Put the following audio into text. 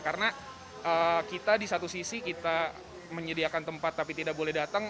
karena kita di satu sisi kita menyediakan tempat tapi tidak boleh datang